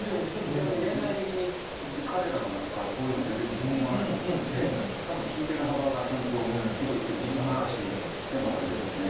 非常に年代的に彼らの中からこういうのが出てくるとは思わなかったんで多分聴いてる幅がちゃんと広いってことの証しでもあるでしょうね。